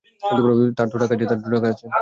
তার তো টাকা আছে।